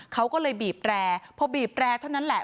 เขาก็เลยบีบแรร์พอบีบแรร์เท่านั้นแหละ